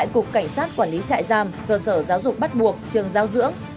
cục cảnh sát quản lý trại giam cơ sở giáo dục bắt buộc trường giáo dưỡng